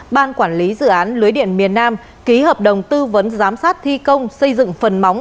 ban quản lý dự án lưới điện miền nam ký hợp đồng tư vấn giám sát thi công xây dựng phần móng